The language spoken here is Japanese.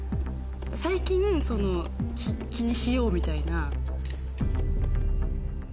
最近気にしようみたいな。